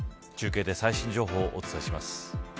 中継で最新情報をお伝えします。